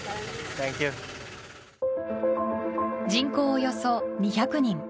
人口およそ２００人。